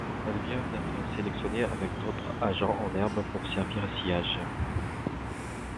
Elle vient d'être sélectionnée, avec d'autres agents en herbe, pour servir Sillage.